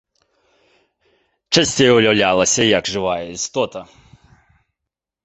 Часцей уяўлялася як жывая істота.